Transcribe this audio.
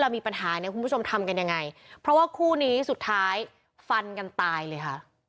มึงกวนตายละมึงกวนตายเลย